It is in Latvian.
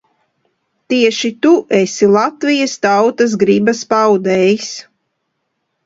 Tieši tu esi Latvijas tautas gribas paudējs.